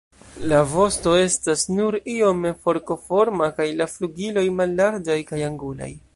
La vosto estas nur iome forkoforma kaj la flugiloj mallarĝaj kaj angulaj.